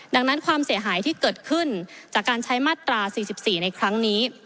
ดังนั้นความเสียหายที่เกิดขึ้นจากการใช้มาตรา๔๔ในครั้งนี้